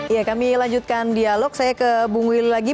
ya kami lanjutkan dialog saya ke bung willy lagi